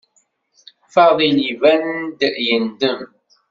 Fadil iban-d yendem.